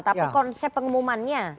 tapi konsep pengumumannya